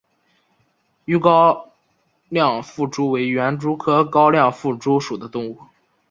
豫高亮腹蛛为园蛛科高亮腹蛛属的动物。